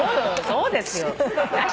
そうですよ。ねえ。